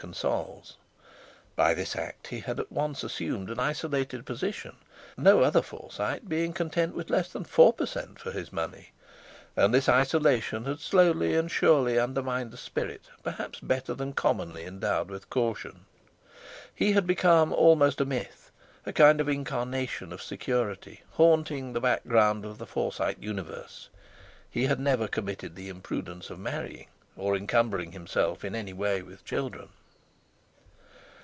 consols. By this act he had at once assumed an isolated position, no other Forsyte being content with less than four per cent. for his money; and this isolation had slowly and surely undermined a spirit perhaps better than commonly endowed with caution. He had become almost a myth—a kind of incarnation of security haunting the background of the Forsyte universe. He had never committed the imprudence of marrying, or encumbering himself in any way with children.